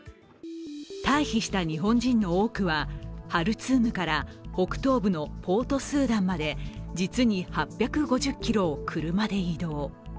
退避した日本人の多くはハルツームから北東部のポートスーダンまで実に８５０ｋｍを車で移動。